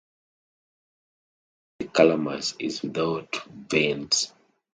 The basal part of the calamus is without vanes.